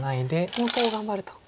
そのコウを頑張ると。